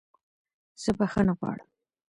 زه بخښنه غواړم